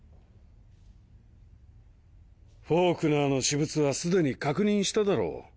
フォークナーの私物は既に確認しただろ？